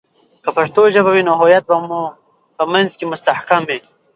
که پښتو ژبه وي، نو هویت به مو په منځ مي مستحکم وي.